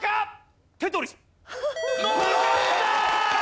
残ったー！